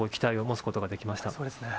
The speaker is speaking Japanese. そうですね。